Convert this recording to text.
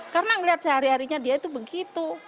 karena melihat sehari harinya dia itu begitu